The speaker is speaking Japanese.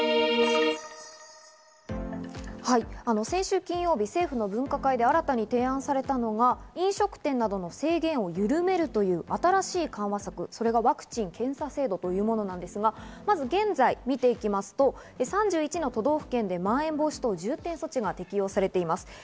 先週金曜日、政府の分科会で新たに提案されたのは飲食店などの制限を緩めるという新しい緩和策、それがワクチン検査制度なんですが詳しく見ていきますと、３１の都道府県でまん延防止等重点措置が適用されています。